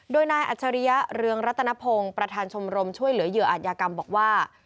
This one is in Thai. โดยนายอัจฉริยะเรืองรัตนพงศ์ประธานชมรมช่วยเหลือเหยื่ออาจยากรรมบอกว่า